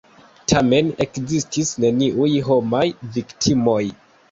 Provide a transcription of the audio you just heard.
Tamen, ekzistis neniuj homaj viktimoj.